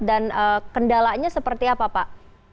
dan kendalanya seperti apa pak